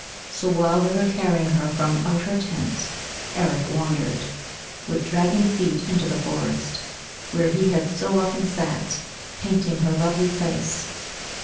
So while they were carrying her from out her tent Eric wandered with dragging feet into the forest where he had so often sat, painting her lovely face.